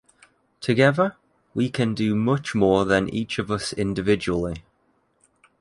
Together, we can do much more than each of us individually.